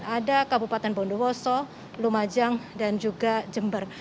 ada kabupaten bondowoso lumajang dan juga jember